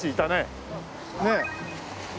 ねえ。